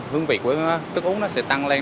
hương vị của thức uống nó sẽ tăng lên